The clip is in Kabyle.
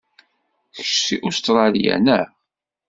Kečč seg Ustṛalya, naɣ?